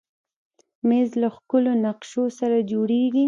مېز له ښکلو نقشو سره جوړېږي.